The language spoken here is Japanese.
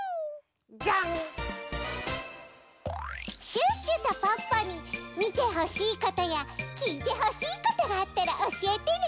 シュッシュとポッポにみてほしいことやきいてほしいことがあったらおしえてね！